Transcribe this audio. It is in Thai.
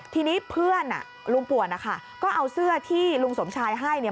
ทีนี้เพื่อนลุงปว่นนะคะก็เอาเสื้อที่ลุงสมชัยให้